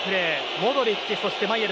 モドリッチ、そしてマイェル。